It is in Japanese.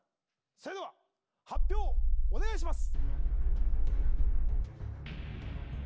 それでは発表お願いします